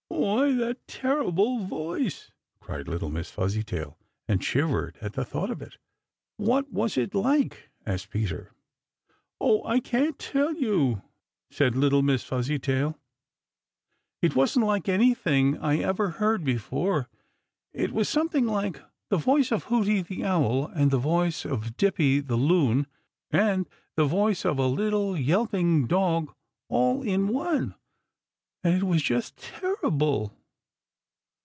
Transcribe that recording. "Why, that terrible voice!" cried little Miss Fuzzytail, and shivered at the thought of it. "What was it like?" asked Peter. "Oh, I can't tell you," said little Miss Fuzzy tall, "It wasn't like anything I ever had heard before. It was something like the voice of Hooty the Owl and the voice of Dippy the Loon and the voice of a little yelping dog all in one, and it was just terrible!"